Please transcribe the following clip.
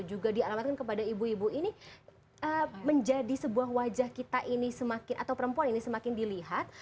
juga dialamatkan kepada ibu ibu ini menjadi sebuah wajah kita ini semakin atau perempuan ini semakin dilihat